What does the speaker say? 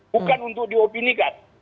bukan untuk diopinikan